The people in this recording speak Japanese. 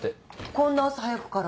こんな朝早くから？